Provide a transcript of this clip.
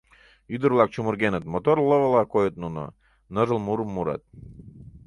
Ӱдыр-влак чумыргеныт, мотор лывыла койыт нуно, ныжыл мурым мурат.